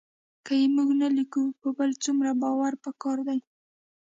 که یې موږ نه لیکو په بل څومره باور پکار دی